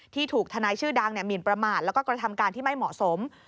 ถูกทนายชื่อดังหมินประมาทแล้วก็กระทำการที่ไม่เหมาะสม